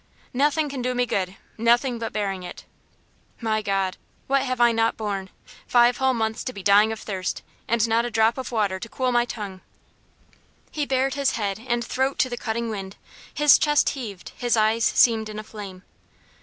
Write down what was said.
"Nothing can do me good. Nothing but bearing it. My God! what have I not borne! Five whole months to be dying of thirst, and not a drop of water to cool my tongue." He bared his head and throat to the cutting wind his chest heaved, his eyes seemed in a flame.